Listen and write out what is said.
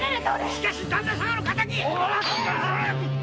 しかし旦那様の敵！